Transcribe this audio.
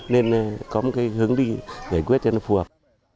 nên có một cái hướng đi giải quyết cho nó phù hợp